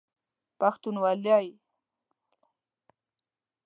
پښتونوالی